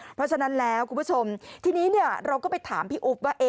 เพราะฉะนั้นแล้วคุณผู้ชมทีนี้เราก็ไปถามพี่อุ๊บว่า